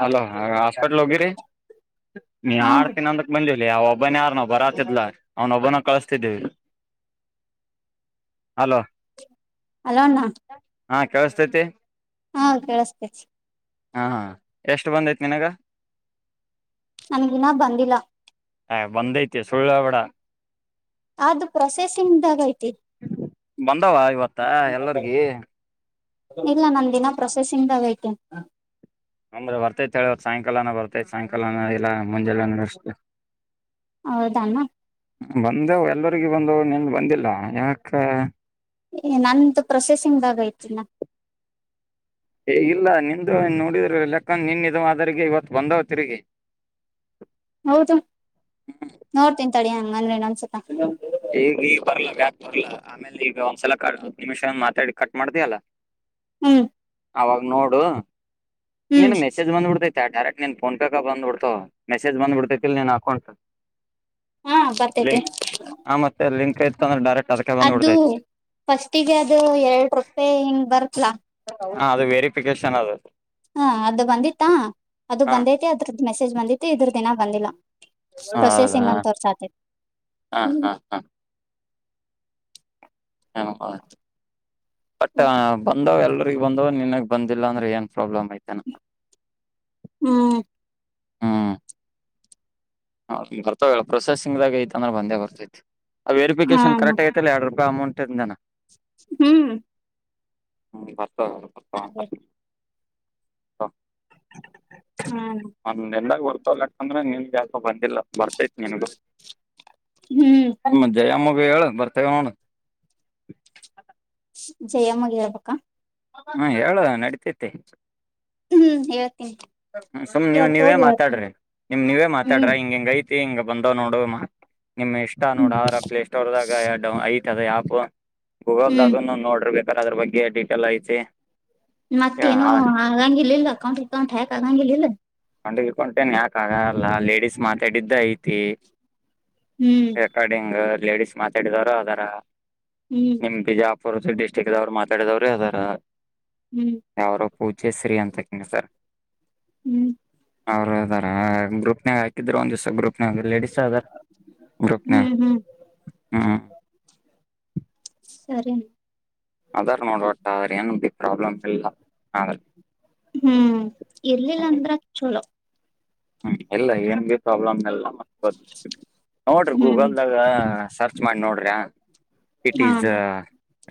Hello hospital ವಗೇರಿ ನೀ ಹಾ ಆಡ್ತೀಿ ಅಂದ ಬಂದಿ ಇಲ್ಲಿ ಅವ ಒಬ್ಬನ ಯಾರನೊಬ್ಬರಾತಿದ್ಲ ಅವ್ನೊಬ್ಬನ ಕಳಿಸತಿದೀವಿ ಅಲೋ ಹಲೋ್ಣ ಹಾ ಕೇಳಸ್ತೈತಿ ಹಾ ಕೇಳಿಸತೇ ಹಾ ಎಷ್ಟು ಬಂದೈತ್ ನಿನಗ ನನ್ಗಿನ ಬಂದಿಲ್ಲ ಹ ಬಂದೈತೆ ಸುಳ್ಳ ಬಡ ಅದು ಪ್ರೊಸೆಸಿಂಗ್ದಾಗ ಐತಿ ಬಂದಾವ ಇವತ್ತ ಎಲ್ಲರ್ಗಿ ಇಲ್ಲ ನನ್ ದಿನ ಪ್ರೊಸೆಸಿಂಗ್್ದಾಗಐತೆೆ ಅಂದ್ರೆ ಬರ್ತೈತ್ ಹೇಳಿವ ಸಾಯಂಕಾಲನ ಬರ್ತೈತಿ ಸಾಯಂಕಾಲನ ಇಲ್ಲಾ ಮುಂಜೆಂದಷ್ಟ‌. ಹೌದಾಮ ಬಂದೆವು ಎಲ್ಲರಿಗ ಬಂದು ನಿನ್ ಬಂದಿಲ್ಲ ಯಾಕ ನಂತು ಪ್ರೊಸೆಸಿಂಗ್ದಾಗ ಆಯತಿಿಲ್ಲ ಏ ಇಲ್ಲ ನಿಂದು ನೋಡಿದ್ರರು ಲೆಕ್ಕ ನಿನ್ಿದ ಆದ್ರರಿಗೆ ಇವತ್ತು ಬಂದವ ತಿರುಗಿ ಹೌದು ನೋಡ್ತನ್ಂತಳ ಹ ಹಂಗ ರನ ಸತ ಈಗ ಈ ಬರ್ಲ ಬರ್ಲ ಆಮೇಲೆ ಈಗ ಒಂದ್ಸಲ ಹ ನಿಮಿಷ ಮಾತಾಡಿ ಕಟ್ ಮಾಡ್ದ ಅಲ್ಲ ಹ್ಮ್ ಅವಾಗ ನೋಡು ಹ್ಮ್ ನೀನು ಮೆಸೇಜ್ ಬಂದಬ ಬಿಡ್ತೈ ಡೈರೆಕ್ಟ್ ನೀನ್ ಫೋನ್ಪೇ ಕ ಬಂದ್ಬಿಡ್ತ ಮೆಸೇಜ್ ಬಂದಬ ಬಿಡ್ತೇತಿಲ್ ನಿನ್ ಅಕೌಂಟ್ ಹಾ ಬರ್ತೇತಿ ಮತ್ತ ಲಿಂಕ್ಯತ ಅಂದ್ರಡರೆಕ್ಟ್ ಅದು ಫಸ್ಟಿಗೆ ಅದು ಎರಡು ರೂಪಾಯಿ ಹಿಂಗ್ ಬರ್ತ್ಲಾ ಹ ಅದು ವೆರಿಫಿಕೇಶನ್ ಅದದು ಹಾ ಅದು ಬಂದಿತ್ತಾ ಅದು ಹ ಬಂದೈತಿ ಅದ್ರದ್ದ ಮೆಸೇಜ್ ಬಿತ್ತು ಇದ್ರ ದಿನ ಬಂದಿಲ್ಲಾ ಹೌದಾ ಪ್ರೊಸೆಸಿಂಗ್ ಅಂತವ್ರ ಸಾಧ್ಯತೆ ಹ ಹ್ಮ ಹಾ ಹ ಬಟ್ ಬಂದವ ಎಲ್ಲ ಬಂದ ನಿನ್ಗ್ ಬಂದಿಲ್ಲ ಅಂದ್ರೆ ಏನ್ ಪ್ರಾಬ್ಲಮ್ ಐತೆನ ಹ್ಮ್ ಹ ಬರ್ತಾವಲ್ಲ ಪ್ರೊಸೆಸಿಂಗ್ದಾಗ ಐತ ಅಂದ್ರೆ ಬಂದೇ ಬರ್ತತೆ ಆ ಹಾ ವೆರಿಫಿಕೇಶನ್ ಅಣ್ಣ ಕರೆಟ್ಗಐಲ್ಲ ಹೇಳ ಅಮೌಂಟೆ ನ ಹ್ಮ್ ಹ್ಮ್ ಬರ್ ಹ ಅದೇ ಹ ಹಾ ಅಣ್ಣ ಎ ಅಂದ್ರೆ ನೀ ಜಾಸ್ತಿ ಬಂದಿಲ್ಲ ಬರ್ತತಿ ಹ್ಮ್ ನನಗಮ್ಮ ಜಯಮ್ಮ ವೇ ಬರ್ತ ಹ ಜಯಮ್ಮಗಿರಬೇಕಕ್ಕಾ ಹಾ ಹೇಳದ ನಡತೇತೆ ಹ್ಮ್ ಎ ಹ್ಮ ಸುಮ್ ನೀವ್ ನೀವೇ ಮಾತಾಡ್ರಿ ನಿಮ್ ನೀವೇ ಮಾತಾಡ್ರ ಹ್ಮ್ ಹಿಂಗಗೆಂಗ ಐತ್ ಹಿಂಗ ಬಂದವ್ ನೋಡ ನಿಮ್ ಇಷ್ಟ ನೋಡ ಹ್ಮ್ ಆ ಪ್ಲೇ ಸ್ಟೋರ್ದಾಗ ಐ ತದ ಯಾಪ ಹ್ಮ್ ಗೂಗಲ್ದಾಗ ನೋಡ್ರಿಬೇಕು. ರ್ ಅದ್ರ ಬಗ್ಗೆ ಡೀಟೇಲ್ ಐತಿ ಮತ್ತೇನು ಆಗಂಗ ಇಲ್ಲ್ಕೊಂಡ ಠಕಾಗಗೆಿಲ್ಲಲ್ಲ ಕೊಂಡಗಕಂೇನೆ ಯಾಕ ಆಗಲ್ಲ ಲೇಡಿಸಸ್ ಮಾತಾಡಿದ್ದ ಐತಿ. ಹ್ಮ್ ಎಕಾಡೆಂಗರ್ ಲೇಡಿಸಸ್ ಮಾತಾಡಿದವರು ಅದರ ಹ್ಮ್ ನಿಮಜ ಪರೋಸ ಡ್ಟಿಕ್ ದವರು ಮಾತಡಿದವ್ರೆ ಅದರ ಹ್ಮ್ ಯರು ಪೂಜೆಸ್ರಿೀ ಅಂತಕ್ಕಂಗ ಸರ್ ಹ್ಮ್ ಅವರು ಅದಾರ ಗ್ರೂಪ್ ನಾಗ ಹಾಕಿದ್ರರು ಒಂದ್ಿವ್ಸ ಗ್ರೂಪ್, ಲೇಡಿಸಸ್ ಅದ ಗ್ರಪ್ನ ಹ್ಮ್ ಹ್ಮ್ ಹ್ಮ್. ಸರಿೇ ಅದಾರ್ ನೋಡ್ುವಟ್ಟ ಆದ್ರ ಏನು ಪ್ರಾಬ್ಲಮ್ ಇಲ್ಲ ಆದ್ರೆ. ಹ್ಮ್ ಇರ್ಲಿಲ್ಲ ಅಂದ್ರ ಚಲೋ ಹ್ಮ್ ಎಲ್ಲ ಏನ್ ಬಿ ಪ್ರಾಬ್ಲಮ್ ಎಲ್ಲ ನೋಡ್ರಿ ಹ್ಮ್ ಗೂಗಲ್ದಾಗ ಸರ್ಚ್ ಮಾಡಿ ನೋಡ್ರಿ ಇಟ್ ಹಾ ಈಸ್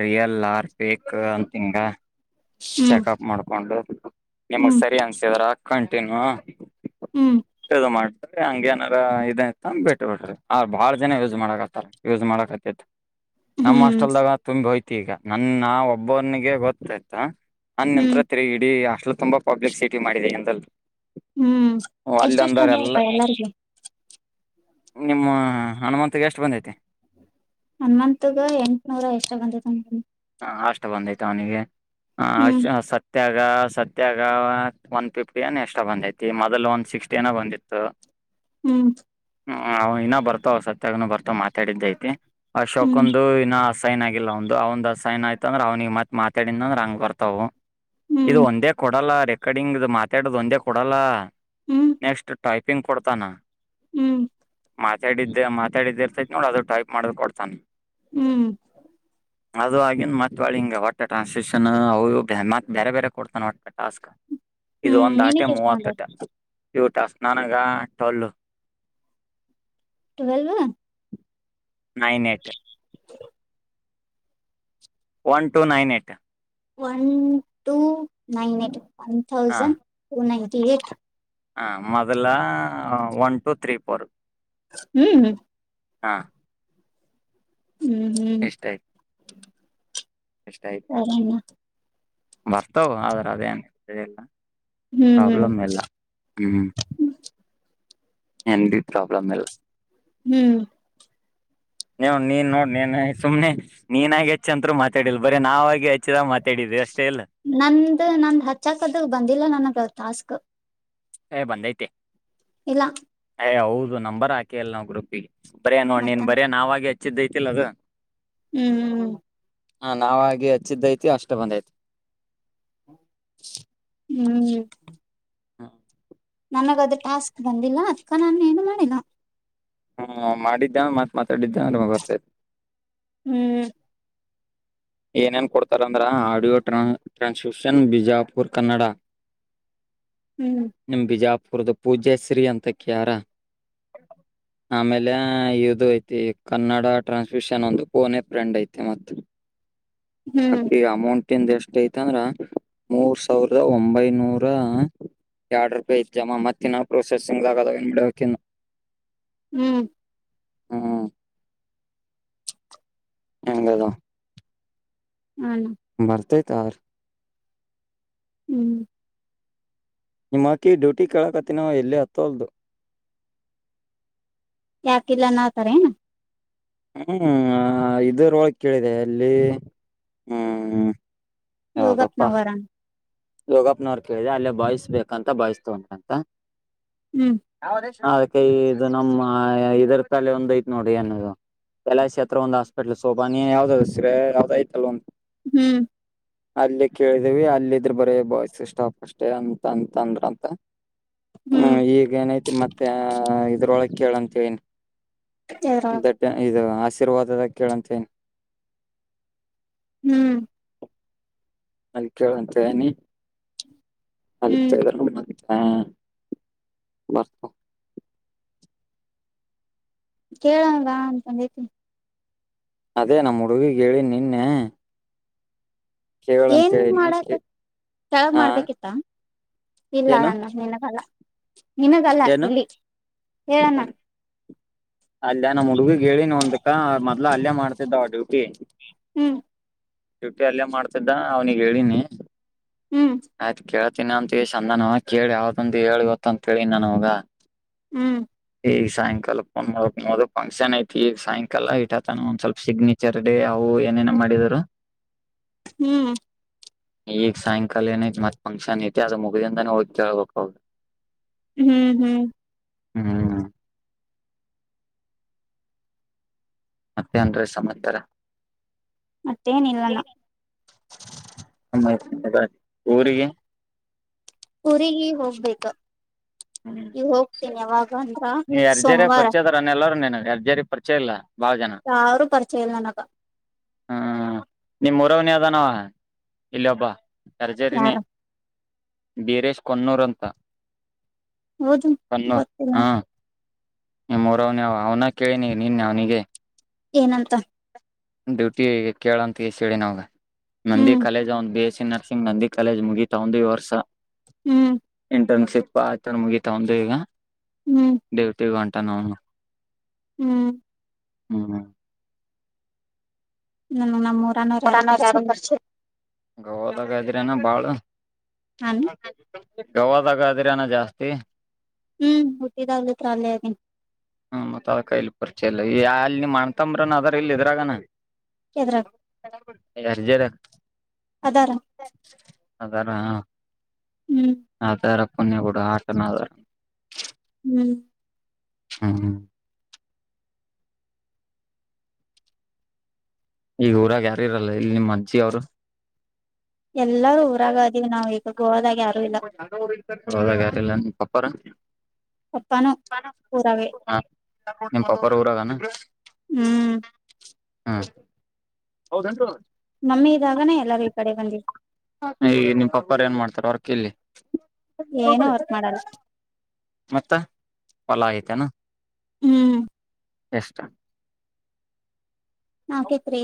ರಿಯಲ್ ಲಾರ್ ಪೇಕ್ ಅಂತಂಗ ಹ್ಮ್ ಚೆಕಪ್ ಮಾಡ್ಕೊಂಡು ನಿಮಗ್ ಹ್ಮ್ ಸರಿ ಅನ್ಸಿದ್ರ ಕ ಮತ್ತೇನು ಹ್ಮ್ ಇದು ಮಾಡ ಹಂಗ ಏನಾರ ಇದೆ ಅಂತ ಬಿಟ್ಟ ಬಿಟ್ರಿ ಆ ಬಾಳ ಜನ ಯೂಸ್ ಮಾಡಕತ್ತಾರ ಯೂಸ್ ಮಾಡಕ್ತಿತ್ ನಮ್ಮ ಹ್ಮ್ ಅಷ್ಟಲ್ದಾಗ ತುಂಬಿ ಭ ಈಗ ನನ್ನ ಒಬ್ಬವನಿಗೆ ಗೊತ್ತಾಯತಿ ಹಾ ಅನ್ ಹ್ಮ್ ನಂತ್ರ ತಿೆರಗಿಡಿ ಅಷ್ಟ ತುಂಬಾ ಪಬ್ಲಿಕ್ ಸಿಟಿ ಮಾಡಿದೆ ಎಲ್ ಹ್ಮ್ ಎಷ್ಟ ಎಷ್ಟು ಬಂದ ಹಪಾ ಎಲ್ಲಾರ್ಗ ನಿಮ್ಮ ಹನುಮಂತಗೆ ಎಷ್ಟು ಬಂದೈತಿ ಹನ್ ಮತ್ಗ ಎಂಟನೂರ ಎಷ್ಟ ಬಂದ ತಿ ಹ ಅಷ್ಟ ಬಂದೈ್ತ ಅವನಿಗೆ ಹ್ಮ್ ಹ ಸತ್ಯ ಈಗ ಸತ್ಯಾಗ ಒನ್ ಫಿಫ್ಟಿ ಎಷ್ಟ ಬಂದೈತಿ ಮೊದಲ್ ಒನ್ ಸಿಕ್ಸ್ಟಿನ ಬಂದಿತ್ತು ಹ್ಮ್ ಹ್ಮ ಇನ ಬರ್ತ ಅವ ಸತ್ಯಾಗನ ಬರ್ತವ ಮಾತಾಡಿದ್ದ ಐತಿ ಆ ಶಾಕ ಹ್ಮ್ ಒಂದು ಇನ್ನ ಸೈನ್ ಆಗಿಲ್ಲ ಒಂದು ಅವಂದು ಸೈನ್ ಆಯತ ಅಂದ್ರ ಅವನಿಗೆ ಮತ್ ಮಾತಾಡಿದಂದ ರಂಗ್ ಬರ್ತವು ಇದು ಹ್ಮ್ ಒಂದೇ ಕೊಡಲ್ಲ ರೀ ಕಡಿಂಗ ಮಾತಾಡದು ಒಂದೇ ಕೊಡಲ್ಲ ಹ್ಮ್ ನೆಕ್ಸ್ಟ್ ಟೈಪಿಂಗ್ ಕೊಡ್ ತನ ಹ್ಮ್ ಹ್ಮ್ ಮಾತಾಡಿದ್ದ ಮಾತಾಡಿದರ್ತ ನೋಡ ಅದು ಟೈಪ್ ಮಾಡ್ ಕೊಡ್ತಾನ ಹ್ಮ್ ಹ ಅದು ಆಗ ಮತ್ಳಿ ಹಿಂಗಗೆ ಹೊಟ್ಟೆ ಟ್ರಾನ್ಸಿಕ್ಷನ್ ಅತ್ ಬೇರೆ ಬೇರೆ ಕೊಡ್ತಾನ ಟಾಸ್ಕ್ ಇದು ಹ್ಮ್ ಒಂದು ಆಟೆ ನಿನಗ್ ಎಷ್ಟ ಮೂವತ್ತು ಬಂದವ ಟನ್ ಇಟಾಸ್ಕ್ ನಾನ್ ಗ ಟೊಳ್ಳು twelve nine eight one two nine eight one two nine eight one thousand two nine [unintelligible] ಹ ಮೊದಲ ಒನ್ ಟೂ ತ್ರೀ ಫೋರ್ ಹ್ಮ್ ಹ್ಮ್ ಹಾ ಹ್ಮ್ ಹ್ಮ್ ಇಷ್ಟ ಎಷ್ಟಯ್ತು ಸರಿನಾ ಬರ್ತವ ಆದ್ರ ಅದೇ ಅ ಸರಿಕ ಹ್ಮ್ ಹ್ಮ್ ಪ್ರಾಬ್ಲಮ್ ಎಲ್ಲ ಹ್ಮ್ಮ ಎಟ ಪ್ರಾಬ್ಲಲ್ಲ [unintelligible] ಹ್ಮ್ ನೀ ನೀನ್ ನೋಡ್ ನೀನ್ ಸುಮ್ನೆ ನೀನಾಗಿ ಹೆಚ್ಚ ಅಂತರು ಮಾತಾಡಿಲ್ ಬರೀ ನಾವಗ ಹೆಚ್ಚಿದ ನಂದು ನನ್ ಹಚ್ಚಾಕದ ಬಂದಿಲ್ಲ ನನ್ನ ಟಾಸ್ಕ್ ಏ ಬಂದೈತೆ ಇಲ್ಲ ಹೇ ಹೌದು ನಂಬರ್ ಹಾಕಿ ಅಲ್ಲ ನಾವು ಗ್ರೂಪ್ಗೆ ಬರೇ ನೋಡ್ ಮತ್ತ ನೀನ್ ಬರೇ ನಾವಾಗ ಐತಿಲ್ಲ ಅದು ಹ್ಮ್ ಹ್ಮ್ ಹ್ಮ್ ಹಾ ನಾವಾಗಿ ಹಚ್ಚಿದ್ದೈತಿ ಅಷ್ಟ ಬಂದೈತಿ ಹ್ಮ್ ಹಾ ನನಗ ಅದು ಟಾಸ್ಕ್ ಬಂದಿಲ್ಲ ಅದ್ಕ ನಾನ ಏನು ಮಾಡಿಲ್ಲ ಹ್ಮ್ ಮಾಡಿದ್ದ ಮಾತ್ ಮಾತಾಡಿದ್ದ ಬರ್ತಾತಿ ಹ್ಮ್ ಏನೇನ್ ಕೊಡ್ತಾರಂದ್ರ ಆಡಿಯೋ ಟ್ರಾನ್ಸ್ಲಿಷನ್ ಬಿಜಾಪುರ್ ಕನ್ನಡ. ಹ್ಮ್ ನಿಮ್ಮ ಬಿಜಾಪುರದ. ಪೂಜ್ಯಶ್ರೀ ಅಂತ ಯಾರ ಆಮೇಲೆ ಇದು ಐತಿ ಕನ್ನಡ ಟ್ರಾನ್ಸ್ಮಿಷನ್ ಒಂದು ಪೋನ ಫ್ರೆಂಡ್ ಐತಿ ಮತ್ತ ಹ್ಮ್ ಆಕೆಗೆ ಅಮೌಂಟ್ ಎಷ್ಟ ಐತ ಅಂದ್ರ ಮೂರ್ ಸಾವಿರದ ಒಂಬೈನೂರ ಎರಡು ರೂಪಾಯಿ ಇನ್ನ ಜಮಾ ಮತ್ತನ್ನ ಪ್ರೊಸೆಸಿಂಗ್ ಆಗದ ಏನ್ ಬಿಡವಕಂದು ಹ್ಮ್ ಹೆಂಗದುವು ಹಣ ಬರ್ತೈತ ಹ್ಮ್ ನಿಮ್ಮಕ್ಕಿ ಡ್ಯೂಟಿ ಕೇಳಕತ್ತಿನವ ಎಲ್ಲ ಹತ್ತೊಲ್ದು ಯಾಕಿಲ್ಲ ಅನಾತರೇನು ಹ್ಮ್ ಇದರ ಒಳಗೆ ಕೇಳಿದೆ ಅಲ್ಲಿ ಹ್ಮ್ ಯೋಗಪ್ನವರಾಮ ಯೋಗಪ್ನವ್ರು ಕೇಳಿದೆ ಅಲ್ಲೇ ಬಾಯ್ಸ್ ಬೇಕಂತ ಬಾಯ್ಸ್ ತಗೊಂತಾರಂತಾ ಹ್ಮ್ [unintelligible] ಇದು ನಮ್ಮ ಇದ್ರ ತಲೆ ಒಂದ ಐತೆ ನೋಡಿ ಏನದು ತಲಾಶಿ ಹತ್ರ ಒಂದು ಹಾಸ್ಪಿಟ್ಲ್ ಸೋಪಾನ ಯಾವ್ದ್ರ ಯಾವ್ದಐತಲ್ವಾ ಹ್ಮ್ ಅಲ್ಲೇ ಕೇಳಿದೇವಿ ಅಲ್ಲ ಇದ್ರ ಬರೇ ಬಾಯ್ಸ ಸಾಫ್ಟ್ ಅಷ್ಟೇ ಅಂತ ಅಂತ ಅಂದ್ರ ಅಂತ ಹ್ಮ್ ಈಗ ಏನೈತಿ ಮತ್ತೆ [unintelligible] [unintelligible] ಇದು ಆಶೀರ್ವಾದ ಕೇಳಂತೇನೆ ಹ್ಮ್ ಅದ ಕೇಳುವಂತ ನಿ ಹ್ಮ್ [unintelligible] ಹಾ ಬರ್ತ ಕೇಳವಾ ಅಂತಂದೇತಿನಿ ಅದೇ ನಮ್ಮ ಹುಡುಗಿಗ್ ಹೇಳಿ ನಿನ್ನೆ ಕೇಳ ಅಂತ ಏನ್ ಹೇಳಿನಿ ಮಾಡಕ ಕೆಳಗ್ ಹ ಮಾಡ್ಬೇಕಿತ್ತ ಇಲ್ಲ ಏನು ಅನ್ನ ನಿನಗಲ್ಲ ನಿಮಗಲ್ಲ ಏನು ಇಲ್ಲಿ ಹೇಳಣ ಅಲ್ಲೇ ನಮ್ಮ್ ಹುಡುಗಗ್ ಹೇಳಿ ಒಂದಕ್ಕ ಮೊದ್ಲು ಅಲ್ಲೇ ಮಾಡ್ತಿದ್ದವ ಅಡ್ಡು ಹ್ಮ್ಮ್. [inaudible] ಹ್ಮ್ ಶ್ಯುಟಿ ಅಲ್ಲೇ ಮಾಡ್ತಿದ್ದ ಅವ್ನಿಿಗೆ ಹೇಳಿನಿ ಹ್ಮ್ ಆಯ್ತು ಕೇಳ ಿನ ಅಂತೇಳ ಚಂದಾನ ಕೇಳಿ ಯಾವ್ದಂದು ಹೇಳಿ ಗೊತ್ತ ಅಂತೇಳಿ ನಾನ ಹೋಗ ಹ್ಮ್ ಈ ಸಾಯಂಕಾಲ ಒದು ಫಂಕ್ಷನ್ ಐತಿ ಈ ಸಾಯಂಕಾಲ ಇಟ ತನ ಒಂದ್ ಸ್ವಲ್ಪ ಸಿಗ್ನೇಚರ್ ಡೇ ಅವು ಏನೇನ ಮಾಡಿದರು ಹ್ಮ್ ಈಗ ಸಾಯಂಕಾಲ ಏನ ಮತ್ ಫಂಕ್ಷನ್ ಐತಿ ಅದು ಮುಗ್ದಿಂದಾನೇ ಹೋಗಿ ಕೇಳ್ಬೇಕ ಹ್ಮ್ ಹ್ಮ್ ಹ್ಮ್ ಮತ್ತೆ ಅನ್್ರೆ ಸಮಾಚರ ಮತ್ತೇನಿಲ್ಲನ ಮ್ಮ್ತ [unintelligible] ಊರಿಗೆ ಊರಿಗೆ ಹೋಗ್ಬೇಕ ಇ ಹೋಗ್ತೀನ್ಯವಾಗ ಅಂದ್ರ ಸೋಮವಾರ ಅರ್ಜಾರಿ ಪರಿಚಯ ಇಲ್ಲ ಬಾಳ ಜನ ಸಾವಿರ್ ಚೇ ನನಕ ಹ್ಮ್ ನಿಮ್ಮ್ ರವನಿ ಅದಾನ ಇಲ್ಲಿ ಒಬ್ಬ ಸರ್ಜರಿನ ಯಾರ ಬಿರೇಶ್ ಕೊನ್ನೂರಂತ ಹೌದು ಗೊತ್ತಿಲ್ಲ ನಿಮ್ಮರ ಅವ್ನ ಅವನ ಕೇಳಿನಿ ನಿನ್ನೆ ಅವ್ನಿಗೆ ಏನಂತ ಡ್ಯೂಟಿ ಈ ಕೇಳಂತ ಎಸ್ ಹೇಳಿ ನಾವಗ ನಂದಿ ಹ್ಮ್ ಕಲೇಜ ಒಂದ ಬೇ ನರಸಿಂಗ್ ನಂದಿ ಕಾಲೇಜ್ ಮುಗಿತಾ ಒಂದು ಈ ವರ್ಷ ಹ್ಮ್ ಇಂಟರ್ನ್ಶಿಪ್ ಆಥ ಮುಗೀಿತ ಒಂದು ಈಗ ಹ್ಮ್ ದೇವತೆ ಗಂಟ ತ ನ [unintelligible] ಹ್ಮ್ ಹ್ಮ ಹಾ ಹ್ಮ ನಮ್ಮ ಹೊರಾಾನ ಜರಬರ್ ಗವದಾಗಾದ್ರನ ಬಾಳ ನಾನು ಹ ಗವದಾಗದಿ್ರಾನ ಜಾಸ್ತಿ ಹ್ಮ್ ಹುಟ್ಟಿದಾಗಲತ್ರ ಅಲ್ಲ ಅದ ಹ್ಮ ಮತ್ತತ್ ಅದ ಕೈಲಿ ಪರಿಚಯಲ್ಲ ಈ ಅಲ್ಲಿ ನೀ ಮಾಡ್ತಂಬ್ರನ್ ಅದ್ರ ಇಲ್ಲಿ ಇದ್ರಾಗನ ಎದ್ರಾಗ ರ್ಜ ಅದಾರ ಹ್ಮ್ ಹಾ ತಾರ ಕೊನ್ನ ಕಡ ಆಟ ನ ಆದಾರ ಹ್ಮ್ ಹ್ಮ್ ಹ್ಮ ಈಗ ಊರಾಗ ಯಾರು ಇರಲ್ಲ ಇಲ್ಲಿ ನಿಮ್ಮ ಅಜ್ಜಿ ಅವರು ಎಲ್ಲಾರೂ ಊರಾಗದಗ ನಾವ್ ಗೋ ದಲ್ಲ ಪಪ್ಪ ಪಪ್ಪಾನು ಊರಾಗೆ ಹ ನಿಮ್ಮ ಪಾಪಾರ ಊರಾಗಾನ ಹ್ಮ್ ಹಾ ಹೌದಂು ಮಮ್ಮಿ ಇದಾಗನೆ ಎಲ್ಲಾರೂ ಈ ಕಡೆ ಬಂದಿವಿ ಈ ನಿಮ್ ಪಪ್ಪಾರ ಏನ್ ಮಾಡ್ತಾರ ಹೊರ ಕಲ್ಲಿ ಏನು ವರ್ಕ್ ಮಾಡಲ್ಲ ಮತ್ತ ಹೊಲ ಆಯ್ತ ನ ಹ್ಮ್ ಎಷ್ಟ ನಾಕೇತ್ೀ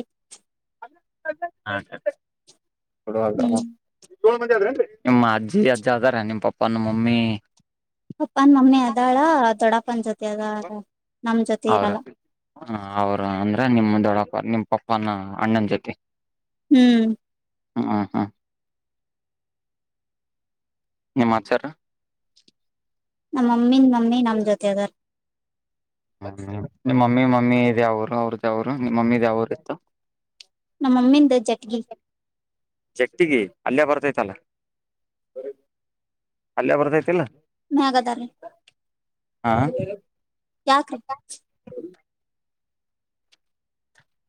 ಹ ಟ ಹ್ಮ್ ಹಲ್ ನಿಮ್ಮ ಅಜ್ಜಿ ಅಜ್ಜ ಅದಾರ ನಿಮ್ ಪಪ್ಪ ನಿಮ್ಮ ಮಮ್ಮಿ ಅಪ್ಪ ಅಂದ ಮನಿ ಅದಾಳ ದೊಡ್ಡಪ್ಪ ಪಂಜ ಅವರು ಅವರು ಅಂದ್ರೆ ನಿಮ್ಮ ದೊಡಪ್ಪ ನಿಮ ಪಪ್ಪಾನ ಅಣ್ಣನ ಜೊತೆ ಹ್ಮ್ ಹ್ಮ ಹ್ಮ್ ಹ್ಮ್ ನಿಮಾಚಾರ ನಮ್ಮಮ್ಮಿನ್ ಮಮ್ಮಿ ನಮ ಜೊತೆದಾರ ನಿಮ್ಮ್ ಮಮ್ಮಿ ಮಮ್ಮಿ್ಯಾವರು ಅವ್ರದ್ದ ಅವರು ನಿ್ ಮಮ್ಮಿದ ಯಾವರು ಇತ್ತು ನಮ್ಮಮ್ಮಿಿಂದ ಜಕ್ತಿಗ ಅಲ್ಲಯ ಬರ್ತೈತಲ್ಲ ಅಲ್ಲೇ ಬರ್ತೈತಿಲ್ಲ ಮ್ಯಾಗದರಿ ಹ ಯಾಕ್ರೀ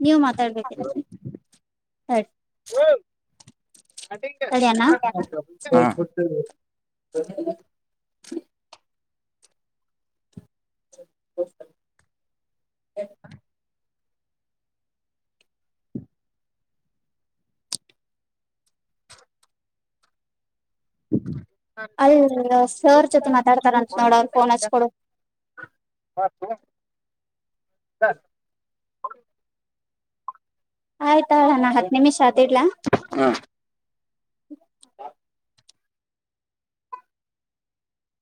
ನೀವು ಮಾತಾಡ್ಬೇಕರಿ ತಾಡಿ ಕರೇನ ಹ [unintelligible] [unintelligible] [unintelligible] ಅಲ್ಲ ಸರ್ ಜೊತೆ ಮಾತಾಡ್ತಾರಂತ ನೋಡ ಅವ ಫೋನ್ ಹಚ್ಕೊಡು ಹ. ಆಯ್ತಾಣಾ ಹತ್ ನಿಮಿಷ ಆ. ಇಡ್ಲಾ [unintelligible]